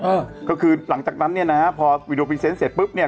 เออก็คือหลังจากนั้นเนี่ยนะฮะพอวีดีโอพรีเซนต์เสร็จปุ๊บเนี่ย